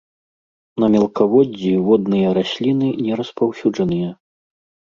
На мелкаводдзі водныя расліны не распаўсюджаныя.